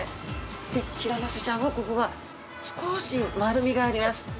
でヒラマサちゃんはここが少し丸みがあります。